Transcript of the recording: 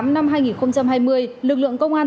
năm hai nghìn hai mươi lực lượng công an